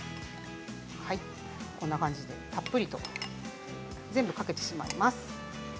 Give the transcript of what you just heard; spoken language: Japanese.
こんな感じでたっぷりと全部かけてしまいます。